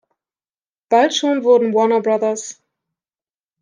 Bald schon wurden Warner Bros.